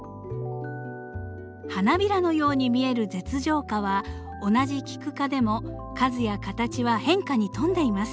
花びらのように見える舌状花は同じキク科でも数や形は変化に富んでいます。